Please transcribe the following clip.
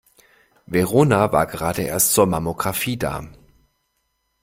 Verona war gerade erst zur Mammographie da.